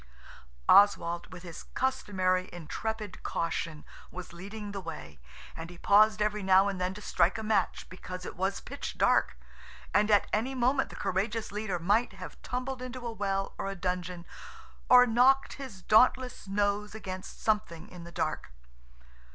Oswald, with his customary intrepid caution, was leading the way, and he paused every now and then to strike a match because it was pitch dark, and at any moment the courageous leader might have tumbled into a well or a dungeon, or knocked his dauntless nose against something in the dark.